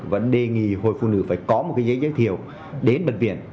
vẫn đề nghị hội phụ nữ phải có một cái giấy giới thiệu đến bệnh viện